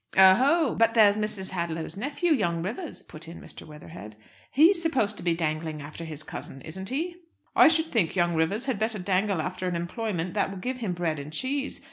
"O ho! But there's Mrs. Hadlow's nephew, young Rivers," put in Mr. Weatherhead. "He's supposed to be dangling after his cousin, isn't he?" "I should think young Rivers had better dangle after an employment that will give him bread and cheese.